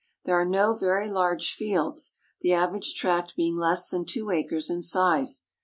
There are no very large fields, the average tract being less than two acres in size.